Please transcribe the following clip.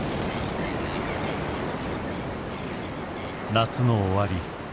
夏の終わり。